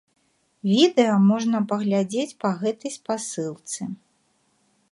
Відэа можна паглядзець па гэтай спасылцы.